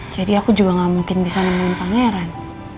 jadi aku juga gak mungkin bisa nemuin pangeran